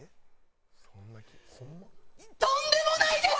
とんでもないです！